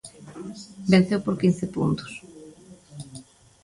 Venceu por quince puntos.